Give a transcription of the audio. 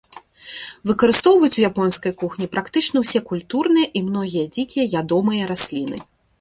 Выкарыстоўваюць у японскай кухні практычна ўсе культурныя і многія дзікія ядомыя расліны.